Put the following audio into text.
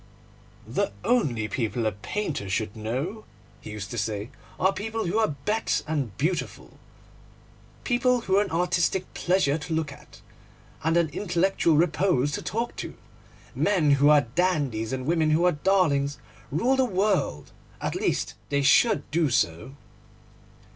'The only people a painter should know,' he used to say, 'are people who are bête and beautiful, people who are an artistic pleasure to look at and an intellectual repose to talk to. Men who are dandies and women who are darlings rule the world, at least they should do so.